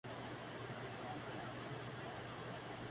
國內線航廈